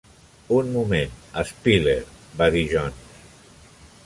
"Un moment, Spiller," va dir Jones.